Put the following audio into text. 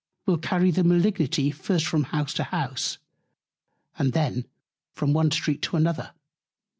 will carry the Malignity first from House to House; and then from one Street to another.